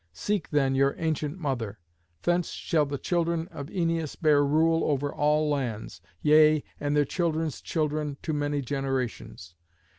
Seek, then, your ancient mother. Thence shall the children of Æneas bear rule over all lands, yea, and their children's children to many generations."